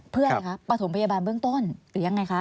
เพื่อปฐมพยาบาลเบื้องต้นหรือยังไงคะ